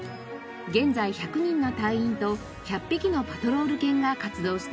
現在１００人の隊員と１００匹のパトロール犬が活動しています。